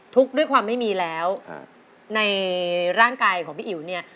ด้วยความไม่มีแล้วในร่างกายของพี่อิ๋วเนี่ย